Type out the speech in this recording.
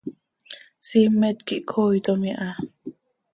Siimet quih cooitom iha.